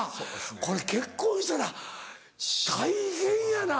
これ結婚したら大変やな。